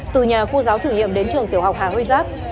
từ nhà khu giáo chủ nhiệm đến trường tiểu học hà huy giáp